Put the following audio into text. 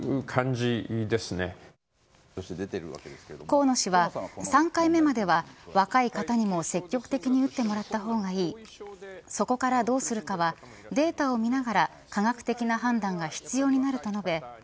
河野氏は３回目までは若い方にも積極的に打ってもらったほうがいいそこからどうするかはデータを見ながら科学的な判断が必要になると述べ